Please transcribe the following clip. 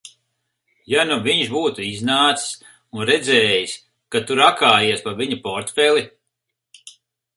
Ja nu viņš būtu iznācis un redzējis, ka tu rakājies pa viņa portfeli?